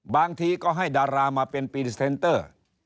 บางทีก็ให้ดารามาเป็นพรีเซนเตอร์